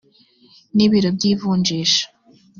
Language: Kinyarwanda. n ibiro by ivunjisha